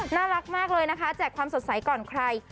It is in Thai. น่ารักมากเลยนะคะแจกความสดใสก่อนใคร